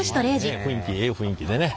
ねえ雰囲気ええ雰囲気でね。